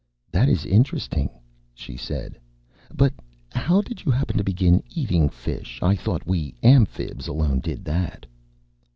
"That is interesting," she said. "But how did you happen to begin eating fish? I thought we Amphibs alone did that."